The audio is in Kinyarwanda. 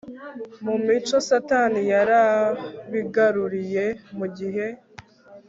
mu mico Satani yarabigaruriye Mu gihe